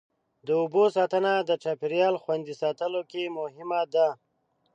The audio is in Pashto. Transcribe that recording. د اوبو ساتنه د چاپېریال خوندي ساتلو کې مهمه ده.